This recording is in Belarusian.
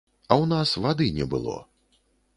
А ў нас вады не было.